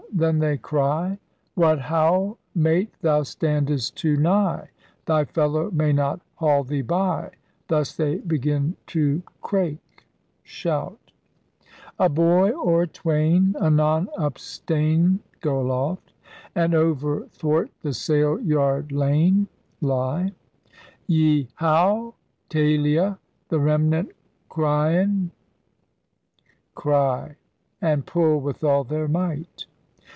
then they cry, *What ho we! mate thou standest too nigh. Thy fellow may not haul thee by:' Thus they begin to crake [shout]. A boy or twain anon up steyn [go aloft] And overthwart the sayle yerde leyn [lie] Y'how! taylia! the remnant cryen [cry] And pull with all their might.